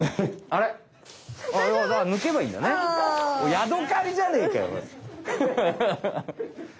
ヤドカリじゃねえかよ！